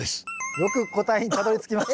よく答えにたどりつきました。